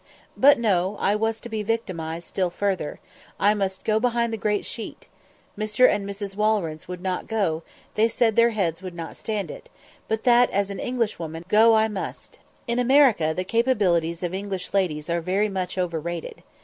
But no; I was to be victimised still further; I must "go behind the great sheet," Mr. and Mrs. Walrence would not go; they said their heads would not stand it, but that, as an Englishwoman, go I must. In America the capabilities of English ladies are very much overrated.